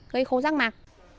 gây khô rác mạc